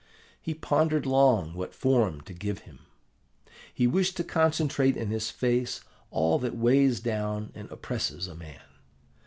He pondered long what form to give him: he wished to concentrate in his face all that weighs down and oppresses a man.